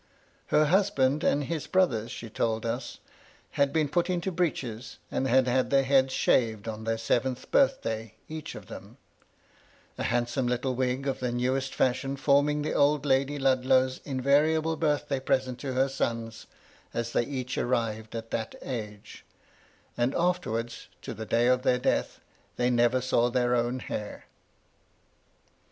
Her husband and his brothers, she told us, had been put into breeches, and had their heads shaved on their seventh birthday, each of them ; a handsome little wig of the newest fashion forming the old Lady Ludlow's invariable birthday present to her sons as they each arrived at that age ; and afterwards, to the day of their death, they never saw their own hair.